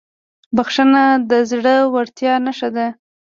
بښنه د زړهورتیا نښه ده.